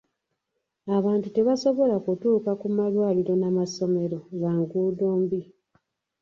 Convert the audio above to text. Abantu tebasobola kutuuka mu malwaliro na masomero lwa nguudo mbi.